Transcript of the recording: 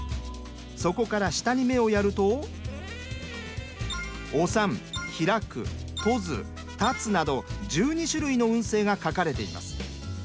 そこから下に目をやると。など１２種類の運勢が書かれています。